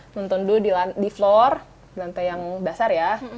nonton dulu di floor lantai yang dasar ya